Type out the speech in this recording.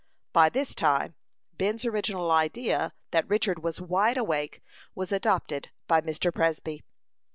By this time, Ben's original idea that Richard was wide awake was adopted by Mr. Presby.